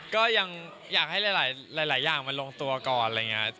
ก็ยังอยากให้หลายอย่างมันลงตัวก่อนอะไรอย่างนี้